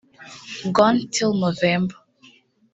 Gone Till November